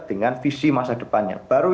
dengan visi masa depannya baru